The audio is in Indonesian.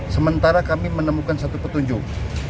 sementara kami menemukan satu petunjuk